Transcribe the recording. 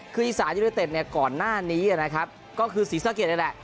คืออีสานยูเนเต็ดเนี่ยก่อนหน้านี้นะครับก็คือศรีสะเกดนี่แหละ